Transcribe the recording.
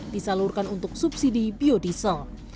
disalurkan untuk subsidi biodiesel